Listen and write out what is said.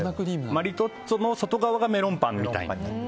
マリトッツォの外側がメロンパンみたいな。